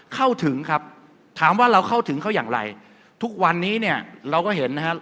เข้าถึงครับถามว่าเราเข้าถึงเขาอย่างไรทุกวันนี้เนี่ยเราก็เห็นนะครับ